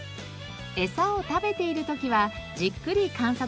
エサを食べている時はじっくり観察できます。